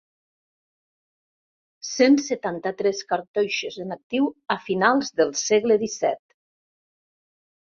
Cent setanta-tres cartoixes en actiu a finals del segle disset.